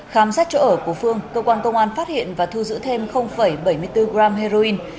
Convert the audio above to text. khám xét chỗ ở của phương cơ quan công an phát hiện và thu giữ thêm bảy mươi bốn gram heroin